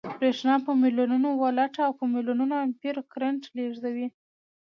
برېښنا په ملیونونو ولټه او په ملیونونو امپیره کرنټ لېږدوي